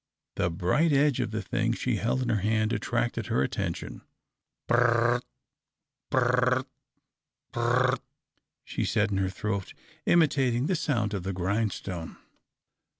The bright edge of the thing she held in her hand attracted her attention. " B r r r r, b r r r r, b r r r r," she said in her throat, imitating the sound of the grindstone.